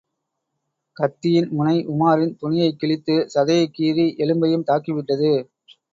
கத்தியின் முனைஉமாரின் துணியைக் கிழித்து, சதையைக் கீறி எலும்பையும் தாக்கிவிட்டது.